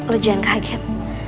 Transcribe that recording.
lo jangan kaget